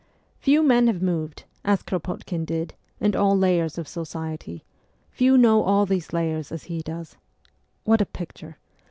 Few men have moved, as Kropotkin did, in all layers of society ; few know all these layers as he does. What a picture